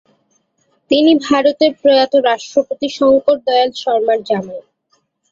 তিনি ভারতের প্রয়াত রাষ্ট্রপতি শঙ্কর দয়াল শর্মার জামাই।।